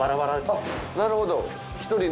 あっなるほど。